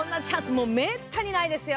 もうめったにないですよ。